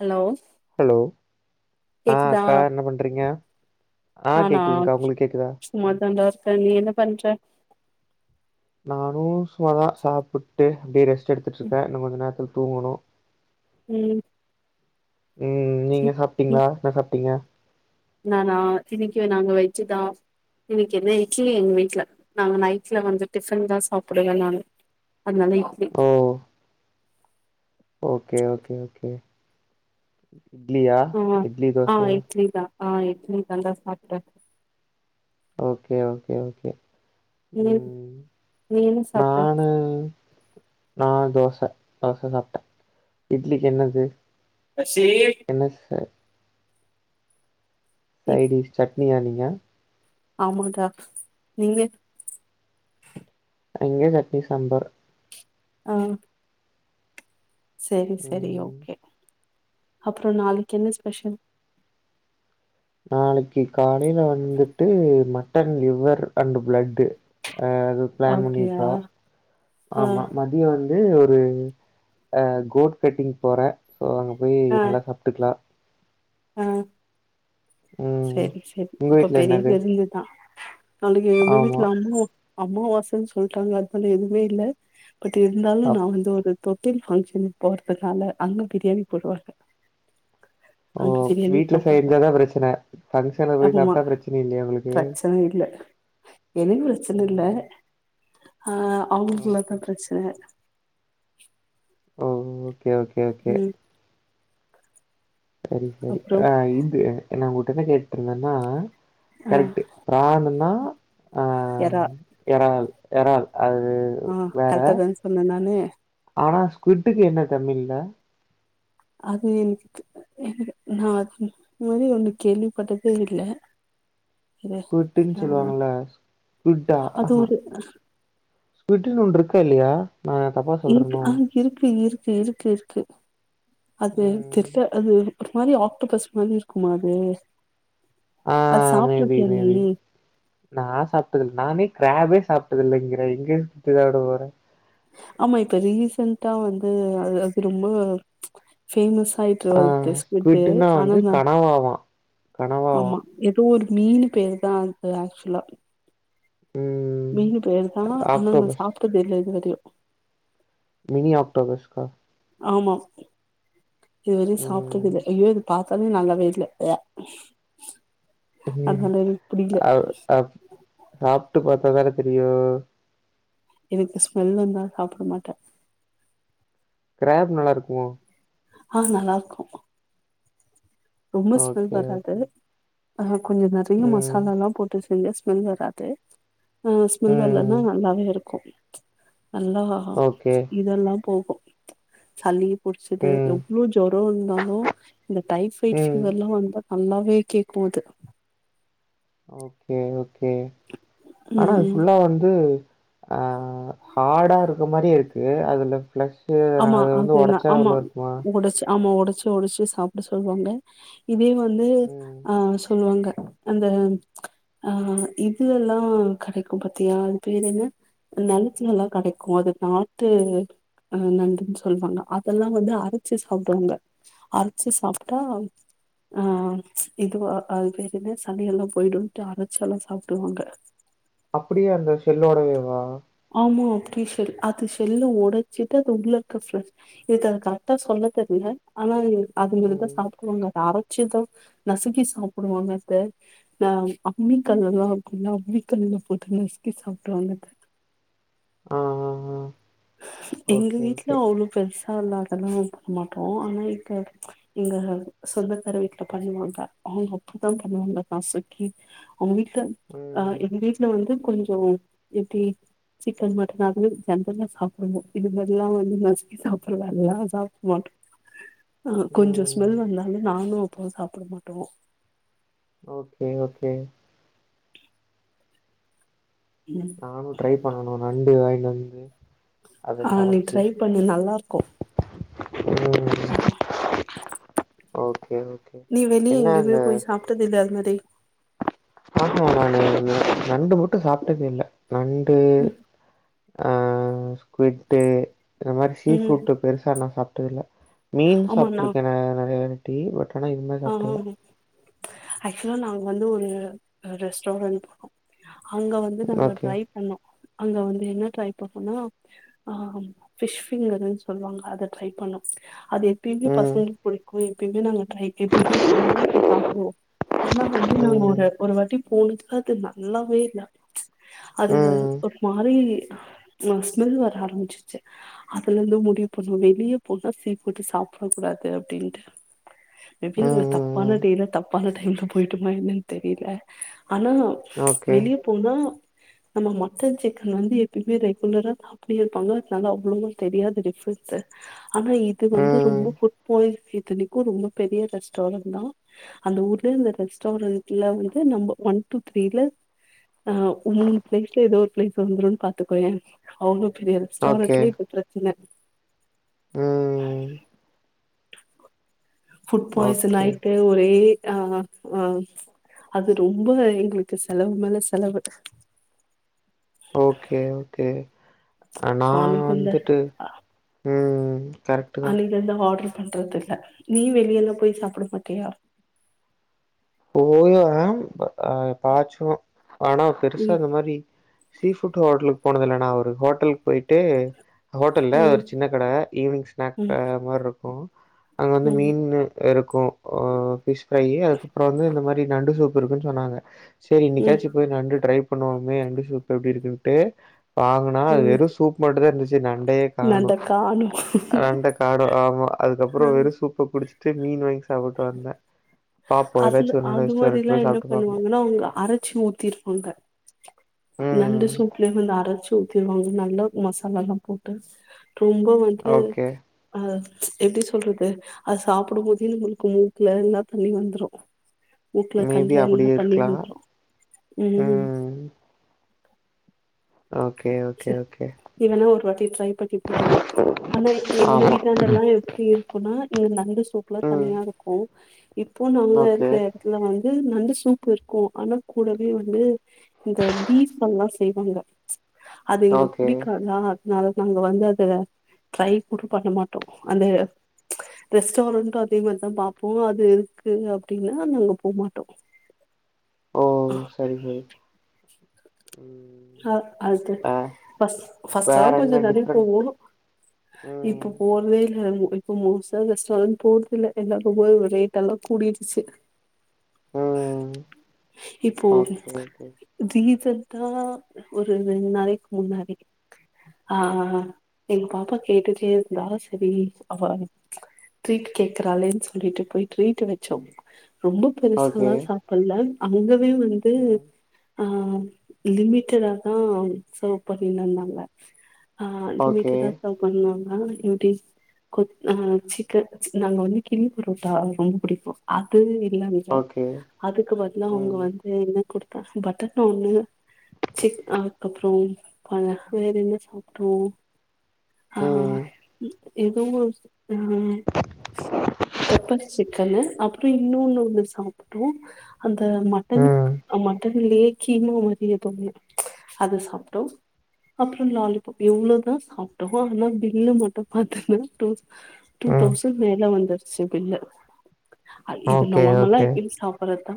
Hello hello ஆ கேக்குதா அக்கா என்ன பண்றீங்க ஆ நானா கேக்குதுகா உங்களுக் கேக்குதா ம் சும்மாதான்டா இருக்கே நீ என்ன பண்ற நானும் சும்மாதா சாப்புட்டு அப்டியே ரெஸ்ட் எடுத்துட்டு இருக்கேன் இன்னு கொஞ்ச நேரத்துல தூங்கணு ம் ம் நீங்க சாப்ட்டீங்களா என்ன சாப்ட்டீங்க நானா இன்னைக்கு நாங்க வெஜ் தா இன்னைக்கு என்ன இட்லி எங்க வீட்ல நாங்க நைட்ல வந்து டிஃபன் தா சாப்டுவே நானு அதுனால இட்லி ஓ ஓகே ஓகே ஓகே இட்லியா ஆ இட்லி ஆ தோசையா இட்லி தா ஆ இட்லி தான் டா சாப்ட்டே ஓகே ஓகே ஓகே நீ ம் நீ என்ன சாப்ட்ட நானு நா தோச தோச சாப்ட்டே இட்லிக்கு என்னது என்ன சார் இட் சைடிஷ் சட்னியா நீங்க ஆமாடா நீங்க அங்கயு சட்னி, சாம்பார் ஆ சேரி சேரி ம் ஓகே, அப்பறோ நாளைக்கி என்ன ஸ்பெஷல் நாளைக்கு காலையில வந்துட்டு மட்டன் லிவர் அண்டு பிளட்டு அ அது பிளான் அப்டியா பண்ணிருக்கோ, ஆ ஆமா ம தியோ வந்து ஒரு ஆ கோட் செட்டிங் போறே சோ அங்க போய் ஆ நல்லா சாப் டுக்லா ஆ ம். செரி செரி உங்க அப்ப வீட்ல பெரிய என்னது? விருந்துதா நாளைக்கு எங்க ஆமா. வீட்ல அம்மா அம்மாவாசன்னு சொல்டாங்க அதுனால எதுமே இல்ல பட் இருந்தாலு நா அப் வந்து ஒரு தொட்டில் ஃபங்க்ஷன் போறதுனால அங்க பிரியாணி போடுவாங்க அங்க பிரியாணி சாப்பிடுவ என்ன பிரச்சன ஆமா பிரச்சன இல்ல எனக்கு பிரச்சன இல்ல, ம். ஆ ஓகே. அவங்களுக்குலாந்தா பிரச்சன ஓ ஓகே ஓகே ஓகே, ம் சரி சரி அப்றோ ஆ இது நா உங்கள்ட என்ன கேட்டுருந்தேன்னா ஆ கரெக்ட்டு பிரான்னுனா எறா எறால் எறால் அது ஆ வேற. கரெக்ட்டாதான சொன்ன நானு ஆனா ஸ்குவிட்டுக்கு என்ன தமிழ்ல்ல அது எனக்கு எனக்கு நா அது மாரி ஒண்ணு கேள்விப்பட்டதே இல்ல இரு ஸ்குவிட்டுனு ஆ சொல்லுவாங்கல்ல ஸ்கிட்டா அது ஆஹ ஒரு ஸ்குவிட்ன்னு ஒன்னு இருக்கா இல்லையா நா தப்பா இருக்கு சொல்றேனோ? ஆ இருக்கு இருக்கு இருக்கு இருக்கு அது ம். தெர்ல அது ஒரு மாரி ஆக்டோபஸ் மாரி இருக்கும்மா அது ஆ அது மே பி சாப்ட்ருக்கியா மே நீ பி நா சாப்ட்டதுல்ல நானே கிராப்பே சாப்ட்டதில்லங்கிற எங்க இத சாப்ட போற ஆமா இப்ப ரீசண்டா வந்து அது அது ரொம்ப ஃபேமஸ் ஆயி ஆ ஸ்குவிட்னா வந்து கனவாவா கன ஆமா ஏதோ ஒரு மீனு பேருதா அது ஆக்ஸ்சுவலா ம். மீனு பேருதா ஆனா நா ஆக்டோபஸ். சாப்ட்டது இல்ல இது வரையு மினி அக்டோபஸ்கா ஆமா இதுவரையு சாப் ட்டது ம். இல்ல ஐயோ இது பாத்தாலே நல்லாவே இல்ல ம் அதனால எனக்கு புடிக்கல அ அ சாப்ட்டு பாத்தாதானே தெரியு எனக்கு ஸ்மெல் வந்தா சாப்ட மாட்டே கிராப் நல்லா இருக்குமோ ஆ நல்லா இருக்கு ரொம்ப ஸ்மெல் ஓகே வராது ஓகே ஆ கொஞ்சோ நறைய ம் மசாலால்லா போட்டு செஞ்சா ஸ்மெல் வராது ஆ ஸ்மெல் ம் வரலன்னா நல்லாவே இருக்கு நல்லா ஆ ஓகே இதல்லா போகு சளி புடிச்சது ம் எவ்ளோ ஜொரோ இருந்தாலு இந்த டைப்ஃபைட் ம் பீவர்ல வந்த நல்லாவே கேக்கு அது ஓகே ஓகே அனா அது ம் ஃபுல்லா வந்து அ ஹாடா இருக்கற மாரி இருக்கு அதுல ஃப்ளஷ் ஆமா அது நா ஆமா உடச்சு ஆமா உடச்சு தொழிச்சி சாப்ட சொல்லுவாங்க இதே வந்து ம் அ சொல்லுவாங்க அந்த ஆ இது எல்லா கடைக்கு பாத்தியா அது பேர் என்ன நெலத்துலலா கெடைக்கு அது பாத்து அ நண்டுன்னு சொல்லுவாங்க அதல்லா வந்து அரைச்சு சாப்டுவாங்க அரைச்சு சாப்ட்டா ஆ இதவா அது பேரு என்ன சளியெல்லா போயிடும்ட்டு அரைச்சல்லா சாப்டுவாங்க அப்படியா அந்த செல்லோடவே வா ஆமா அப்டி செல் அது செல்லு ஒட சிட்டு அது உள்ள இருக்க ஃபிள இது எனக்கு கரெக்ட்டா சொல்ல தெர்ல அனா அது மாதிரிதா ம் சாப்டுவாங்க அத அரச்சிதா நசுக்கி சாப்டுவாங்க அத நா அம்மிக்கல்லெல்லா இருக்கும்ல்ல அம்மிக்கல்ல போட்டு நசுக்கி சாப்ருவாங்க அத ஆ ஆ ஆ எங்க ஓகே வீட்ல ஓகே அவ்ளோ பெருசா இல்லாதலா போட மாட்டோ அனா இப்ப எங்க சொந்தக்கார வீட்ல பண்ணுவாங்க அவுங்க அப்படிதா பண்ணுவாங்க நசுக்கி அவுங்க வீட்ல ஆ ம் எங்க வீட்ல வந்து கொஞ்சோ எப்டி சிக்கன் மட்டன் அது ஜென்ரலா சாப்புடுவோ இது மாரிலா வந்து நசுக்கி [unintelligible] சாப்ட மாட்டோ அ கொஞ்சோ ம் ஸ்மெல் வந்தாலு நாங்ளு அப்பாவு சாப்ட மாட்டோ ஓகே ஓகே ம் நானு ட்ரை பண்ணணு நண்டு வாயின்ட் வந்து அத ஆ நீ சமச்சு ட்ரை பண்ணு நல்லா இருக்கு ம் ஓகே ஓகே நீ வெளிய என்ன எங்கயுமே அந்த போய் சாப்டது இல்லயா அது மாரி ஆஹா நானு நண்டு மட்டு சாப்ட்டதே இல்ல நண்டு ம் அ ஸ்குட்டு இந்த மாரி சீ ம் ஃபுட் பெருசலா சாப்ட்டது இல்ல மீன் ஆமா நா சாப்ட்டுருக்கே நெ நெறைய வாட்டி பட் ஆனா இது மாரி சாப்ட்டதில்ல [unintelligible] ஆக்சுவலா நாங்க வந்து ஒரு ரெஸ்டாரண்ட் இருக்கு அங்க வந்து நாங்க ஓகே ட்ரை பண்ணோ அங்க வந்து என்ன ட்ரை பண்ணோனா ஆ ஃபிஷ் பிங்கருன் சொல்லுவாங்க அத ட்ரை பண்ணோ அது எப்பயுமே ம் பசங்களுக்கு பிடிக்கு எப்பயுமே நாங்க ட்ரை எப்பயுமே போவோ போய் சாப்புடுவோ அனா வந்து நாங் ம் ஒரு ஒருவாட்டி போனதுக்கு அது நல்லாவே இல்ல அது ம் ம் ஒரு மாரி ஒரு ஸ்மெல் வர ஆரம்பிச்சிருச்சு அதுல இருந்து முடிவு பண்ணோ வெளிய போனா சீ ஃபுட்டு சாப்புடக் கூடாது அப்டின்ட்டு மே பி நாங்க ம் தப்பான ம் டேல தப்பான டைம்ல போயிட்டோம்மா என்னன்னு தெரில அனா ஓகே வெளிய போனா நம்ம மட்டன் சிக்கன் வந்து எப்பயிமே ரெகுலரா சாப் அப்டி இருப்பாங்க தாங்க அவ்ளவா தெரியாது டிஃப்ரென்ஸ் ஆனா இது வந்து ம் ரொம்ப ஃபுட் பாய்சன் இத்தனிக்கு ரொம்ப பெரிய ரெஸ்டாரண்டட் தா அந்த ஊர்ல இருந்த ரெஸ்டாரண்ட்ல வந்து நம்ப ஒன் டூ த்ரீல ஆ மூணு பிளேஸ்ல ஏதோ ஒரு பிளேஸ் வந்துரும்னு பாத்துக்கோயே அவ்ளோ பெரிய ரெஸ்டாரன்ட்ல இப்ப பிரச்சன அ ஃபுட் பாய்சன் ஓகே ஆயிட்டு ஒரே ஆ ஆ அது ரொம்ப எங்களுக்கு செலவு மேல செலவு ஓகே ஓகே நா சோ அன்னைக்கு அந்த வந்துட்டு ம் ம் கரெக்ட் அன்னில இருந்து ஆர்டரு பண்றது இல்ல நீ வெளில எல்லா போய் சாப்ட மாட்டியா போவே அ எப்பயாச்சு ஆனா பெருசா ம் இந்த மாரி சீ ஃபுட் ஹோட்டலுக்கு போனது இல்ல நா ஒரு ஹோட்டலுக்கு போயிட்டு ஹோட்டல்ல ஒரு ம் சின்ன கட ஈவ்னிங் ஸ்நாக் ம் மார் இருக்கு அங்க வந்து ம் மீன்னு இருக்கு ஃபிஷ் ஃப்ரையு அதுக்கப்றோ வந்து இந்த மாரி நண்டு சூப் இருக்குன் சொன்னாங்க சேரி ம் இன்னைக்காச்சி போய் நண்டு ட்ரை பண்ணுவோமே நண்டு சூப் எப்டி இருக்குன்ட்டு வாங்கனா ம் வெறுசூப் மட்டுதா இருந்துச்சி நண்டையே கானோ நான்தா காணோ நண்ட கானோ ஆமா அதுக்கப்புறோ வெறு சூப்ப குடிச்சிட்டு மீன் வாங்கி சாப்புட்டு வந்தே அதுல அது மாரி எல்லா போய் என்ன சாப்ட்டு பாக்கணு பண்ணுவாங்கன்னா அவுங்க அரச்சி ஊத்திருப்பாங்க நண்டு ம் சூப்புல வந்து அரச்சி ஊத்திடுவாங்க நல்லா மசாலால்லா போட்டு ரொம்ப வந்து ஓகே அ எப்டி சொல்றது அது சாப்டும் போதோ எங்களுக்கு மூக்குல எல்லா தண்ணி வந்துரு மூக்ல மேபி கண்ல எல்லா அப்டியே தண்ணியூ இருக்கலா வந்துரு ம் ஓகே ஒ சேர் நீ வேனா ஒரு வாட்டி ட்ரை பண்ணி பாரு ஆனா எங்க ஆமா வீட்டான்டல்லா எப்டி ன்னா இ நண்டு சூப்லா ம் தனியா இருக்கு இப்போ நாங்க ஓகே இருக்க ல வந்து நண்டு சூப்பு இருக்கு ஆனா கூடவே வந்து இந்த பீஃப் எல்லா செய்வாங்க அது எங்களுக் ஓகே புடிக்காது அத் அதனால நாங்க வந்து அது ட்ரை கூடோ பண்ண மாட்டோ அந்த ரெஸ்டாரன்ட் அதே மார்தா பாப்போ அது இருக்கு அப்டின்னா நாங்க போமாட்டோ ஓ சரி சரி ம் அத் அது ஆ ஃபர்ஸ்ட் ஃபர்ஸ்ட் வேற எலாலா என்ன கொஞ்சோ நறைய போவோ டிஃப்ரெண்ட் இப்போ ம் போர்தே இல்ல இப் இப்ப மோஸ்ட்டா ரெஸ்டாரன்ட் போறது இல்ல எல்லா ரொம்ப ரேட் எல்லா கூடிருச்சி ம் இப்போ ஓகே ஓகே ரீசண்டா ஒரு ரெண் நாளைக்கு முன்னாடி ஆ ஆ எங்க பாப்பா கேட்டுட்டே இருந்தா செரி அவோ ட்ரீட் கேக்குறாளேன் சொல்லிட்டு போய் ட்ரீட் வெச்சோமா ரொம்ப ஓகே பெருசால்லா சாப்பல்ல அங்கவே வந்து ம் ஆ லிமிட் லிமிட்டடாதா ம் சர்வ் பண்ணி இருந்தாங்க ஆ ஓகே லிமிட்டா சர்வ் பண்ணாங்க இப்டி கொத் ஆ சிக்கன் நாங்க வந்து கிள்ளி பரோட்டா ரொம்ப புடிக்கு அது இல்ல அங்க ஓகே அதுக்கு பதுலா அவுங்க ம் வந்து என்ன குடுத்தா பட்டர்நானு சிக் அதுக்கப்புரோ வேற என்ன சாப்ட்டோ ஆ ம் எதோ ஆ பெப்பர் சிக்கனு அப்பற இன்னொன்னு வந்து சாப்ட்டோ அந்த மட்டன் ம் மட்டன்லியே கீமா மாதிரி எதோ ஒன்னு அது சாப்ட்டோ அப்புறம் லாலிபாப் இவ்ளோ தா சாப்ட்டோ ஆனா பில்லு மட்டு பாத்தன்னா டூ ம் தௌசண்ட் மேல வந்துருச்சு பில்லு இது ஓகே நார்மலா ஓகே எப்பயு சாப்பட்றதா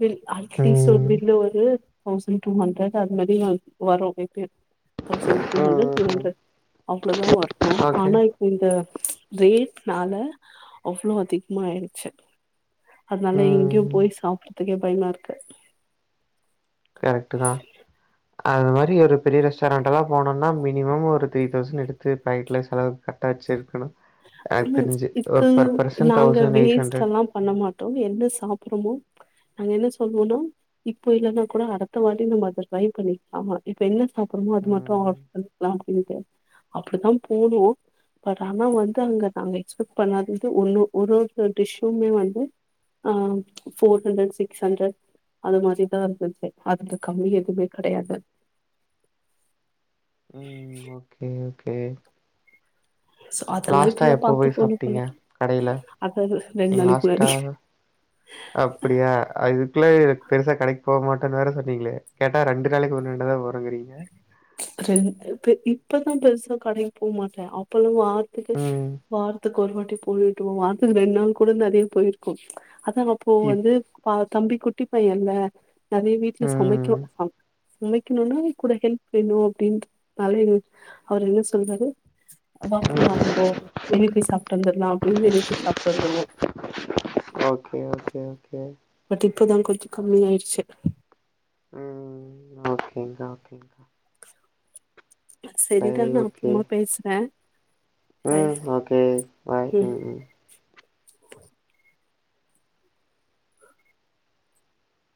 பில் அட்லீஸ்ட் ஒரு ம் பில்ல ஒரு தௌசண்ட் டூ ஹண் அது மாதிரி வரும் எப்பயு தௌசண்ட் டூ ஹான்டார் ம் தீரீ ம் ம். ஹான்டார் அவ்ளதா வரணும் ஓகே ஆனா இந்த ரேட்னால அவ்ளோ அதிகமா ஆயிடுச்சு அதனால எங்கேயும் ம் போயி சாப்பிடறதுக்கே பயமாருக்கு கரெக்ட்டு தான் அது மாறி ஒரு பெரிய ரெஸ்டாரண்ட்ல்லாம் போனம்னா மினிமம் ஒரு த்ரீ தௌசண்ட் எடுத்து பேக்கெட்ல செலவு கட்டாயச்சு இருக்கணும் ம் இதுக்கு பெர்சன் நாங்க தௌசண்ட் எயிட் ஹண்ட்ரட். வேஸ்ட்ல்லாம் பண்ண மாட்டோம் என்ன சாப்பட்றமோ நாங்க என்ன சொல்லுவோனா இப்போ இல்லன்னா கூட அடுத்த வாட்டி நம்ம அத ட்ரை பண்ணிக்கலாம் இப்ப என்ன அப்புறமா அது மட்டும் ம் ஆர்டர் பண்ணிக்கலாம் அப்படின்னுட்டு அப்புடிதான் போனோம் பட் ஆனா வந்து அங்க நாங்க எக்ஸ்பெக்ட் பண்ணாதது ஒன்னு ஒரு ஒரு டிஷ்ஷூமே வந்து ஆ ஃபோர் ஹண்ட்ரட் சிக்ஸ் ஹண்ட்ரட் அது மாதிரிதா இருந்தது அதுக்கு கம்மி எதுவுமே கிடையாது ம் ஓகே ஓகே சோ அதல்லாம் லாஸ்ட்டா இப்பல்லாம் எப்போ பாத்து போய் போணும் சாப்ட்டீங்க போல கடையில? அத ரெண்டு நாளைக்கு முன்னாடி அப்புடியா அதுக்குள்ள பெருசா கடைக்கு போமாட்டேன்னு வேற சொன்னீங்களே கேட்டா ரெண்டு நாளைக்கு ஒரு தடவ தா வரும் போனங்கறீங்க ரெண்ட் இப்பதா பெருசா கடைக்கு போ மாட்டேன் அப்பல்லாம் வாரத்துக்கு ம் வாரத்துக்கு ஒரு வாட்டி போயிடுவோம் வாரத்துக்கு ரெண்டு நாள் கூட நிறைய போயிருக்கோ அதான் இப்போ இப் வந்து பா தம்பி குட்டி பையன்ல நிறைய வீட்ல சமைக்க ம் சமைக்கணும்னா கூட ஹெல்ப் வேணும் அப்புடின்ட்டு அதனால அவர் என்ன சொல்றாரு வா ம் போலாம் நம்போ வெளிய போய் சாப்பிட்டு வந்தர்லா அப்புடின்னு வெளிய போய் சாப்பிட்டு வந்துறுவோம் ஓகே ஓகே ஓகே பட் இப்ப தான் கொஞ்சம் கம்மியாயிடுச்சு ம் ஓகேங்கா ஓகேங்கா சரிடா நான் ஓகே. அப்புறமா பேசுறேன் பை ம். ஓகே. பாய். ம்